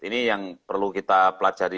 ini yang perlu kita pelajari